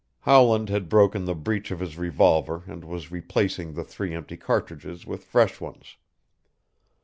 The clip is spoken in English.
Howland had broken the breech of his revolver and was replacing the three empty cartridges with fresh ones.